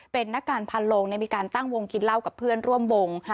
เป็นนักการพันโลงมีการตั้งวงกินเหล้ากับเพื่อนร่วมวง